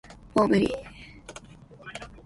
もう無理